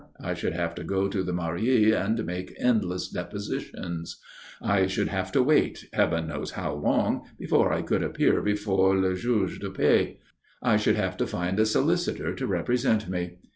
I should have to go to the Mairie and make endless depositions. I should have to wait, Heaven knows how long, before I could appear before the juge de paix. I should have to find a solicitor to represent me.